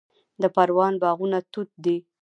د پروان باغونه توت دي